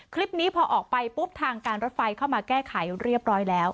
คลิปนี้พอออกไปปุ๊บทางการรถไฟเข้ามาแก้ไขเรียบร้อยแล้ว